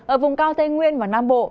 ở vùng cao tây nguyên và nam bộ